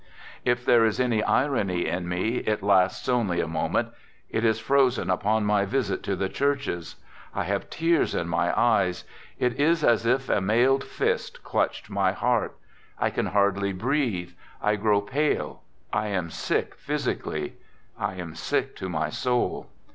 ... If there is any irony in me, it lasts only a mo ment. It is frozen upon my visit to the churches. I have tears in my eyes. It is as if a mailed fist clutched my heart; I can hardly breathe; I grow pale ; I am sick physically ; I am sick to my soul.